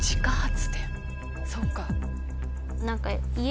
そっか。